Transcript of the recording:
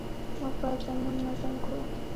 موږ باید ځانونه منظم کړو